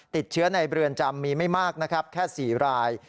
ติดเชื้อในเรือนจำมีไม่มากนะครับแค่๔ราย